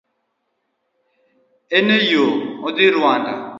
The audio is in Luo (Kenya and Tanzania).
En e yoo odhi Rwanda.